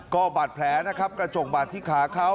ก็บาดแผลนะครับกระจกบาดที่ขาเขา